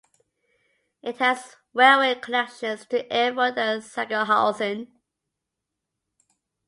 It has railway connections to Erfurt and Sangerhausen.